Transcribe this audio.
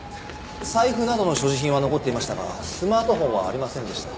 財布などの所持品は残っていましたがスマートフォンはありませんでした。